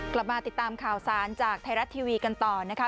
กลับมาติดตามข่าวสารจากไทยรัฐทีวีกันต่อนะคะ